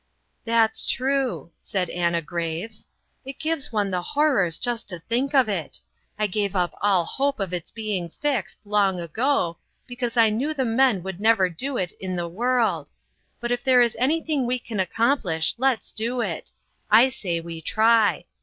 " That's true," said Anna Graves. " It gives one the horrors just to think of it. I gave up all hope of its being fixed, long ago, because I knew the men would never do it in the world; but if there is anything we can accomplish, let's do it. I say we try.